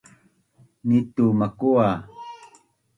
Ni tu makua